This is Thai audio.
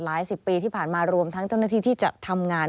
หลายสิบปีที่ผ่านมารวมทั้งเจ้าหน้าที่ที่จะทำงาน